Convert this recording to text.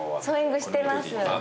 ソーイングしてます。